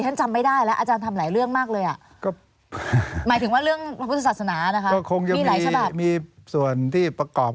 มันจะผ่านเมื่อไหร่ครับ